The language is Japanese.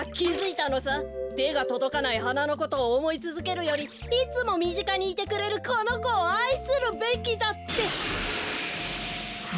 てがとどかないはなのことをおもいつづけるよりいつもみぢかにいてくれるこのこをあいするべきだって！